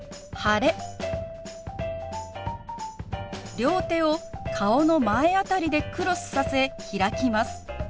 両手を顔の前あたりでクロスさせ開きます。